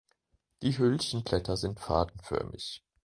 Die Hüllchenblätter sind fadenförmig.